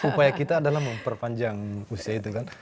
upaya kita adalah memperpanjang usia itu kan